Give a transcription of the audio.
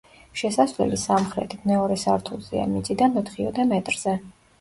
შესასვლელი სამხრეთით, მეორე სართულზეა, მიწიდან ოთხიოდე მეტრზე.